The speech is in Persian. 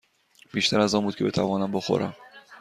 بیشتر از آن بود که بتوانم بخورم.